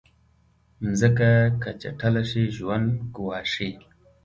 مځکه که چټله شي، ژوند ګواښي.